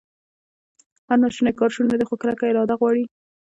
هر ناشونی کار شونی دی، خو کلکه اراده غواړي